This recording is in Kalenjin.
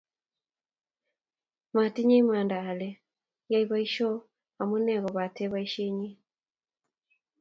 Matinye imanda ale yae poisyo amune, kopate poisyen